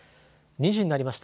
２時になりました。